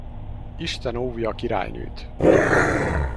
Isten óvja a királynőt!